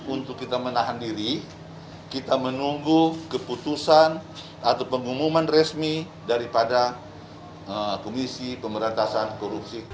untuk kita menahan diri kita menunggu keputusan atau pengumuman resmi daripada komisi pemberantasan korupsi